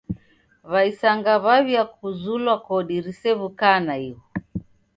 W'aisanga w'aw'iakuzulwa kodi risew'ukaa naighu!